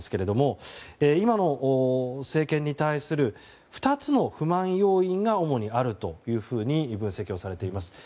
今の政権に対する２つの不満要因が主にあるというふうに分析をされています。